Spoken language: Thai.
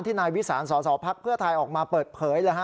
ที่นายวี้สาญศศพพไทยออกมาเปิดเผยเลยฮะ